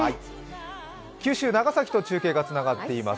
九州・長崎と中継がつながっています。